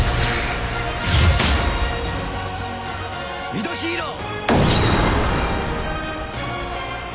ミドヒーロー！